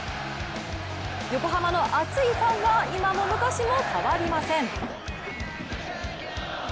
横浜の熱いファンは今も昔も変わりません。